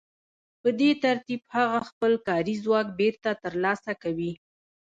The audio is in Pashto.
په دې ترتیب هغه خپل کاري ځواک بېرته ترلاسه کوي